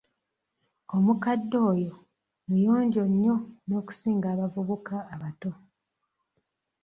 Omukadde oyo muyonjo nnyo n'okusinga abavubuka abato.